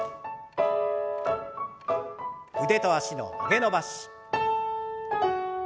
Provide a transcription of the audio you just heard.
腕と脚の曲げ伸ばし。